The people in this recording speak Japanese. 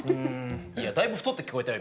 いや、だいぶ太って聞こえたよ